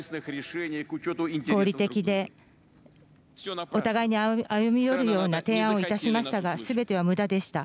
合理的でお互いに歩み寄るような提案をいたしましたがすべてはむだでした。